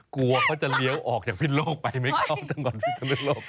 กลัวเขาจะเลี้ยวออกจากพิษโลกไปไม่เข้าจังหวัดพิศนุโลก